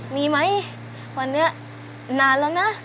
มีไหมวันนี้นานแล้วนะ